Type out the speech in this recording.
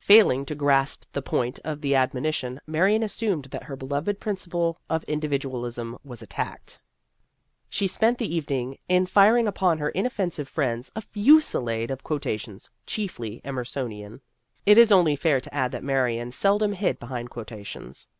Failing to grasp the point of the admonition, Marion assumed that her beloved principle of in dividualism was attacked. She spent the evening in firing upon her inoffensive friends a fusillade of quotations, chiefly Emersonian. It is only fair to add that Marion sel dom hid behind quotations.